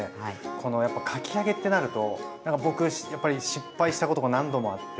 このやっぱかき揚げってなると僕やっぱり失敗したことが何度もあって。